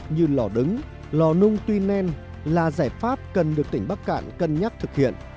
như lò đứng lò nung tuy men là giải pháp cần được tỉnh bắc cạn cân nhắc thực hiện